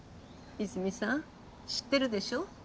いづみさん知ってるでしょ？